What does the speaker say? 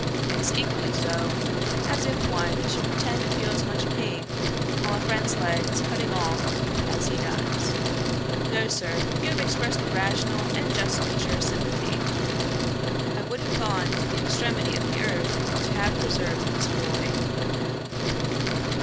It is equally so, as if one should pretend to feel as much pain while a friend's leg is cutting off, as he does. No, Sir; you have expressed the rational and just nature of sympathy. I would have gone to the extremity of the earth to have preserved this boy.'